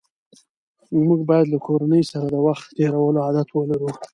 موږ باید له کورنۍ سره د وخت تېرولو عادت ولرو